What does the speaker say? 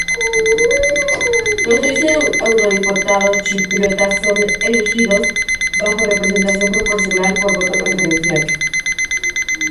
Los seis eurodiputados chipriotas son elegidos bajo representación proporcional por voto preferencial.